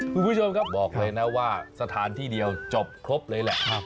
คุณผู้ชมครับบอกเลยนะว่าสถานที่เดียวจบครบเลยแหละ